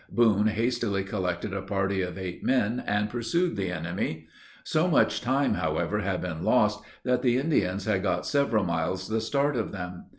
Boone hastily collected a party of eight men, and pursued the enemy. So much time, however, had been lost, that the Indians had got several miles the start of them.